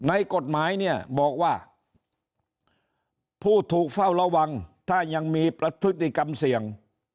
ในกฎหมายเนี่ยบอกว่าผู้ถูกเฝ้าระวังถ้ายังมีพฤติกรรมเสี่ยง